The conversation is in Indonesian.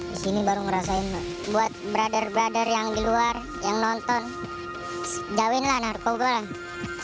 di sini baru ngerasain buat brother brother yang di luar yang nonton jauhinlah narkoba lah